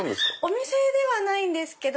お店ではないんですけど。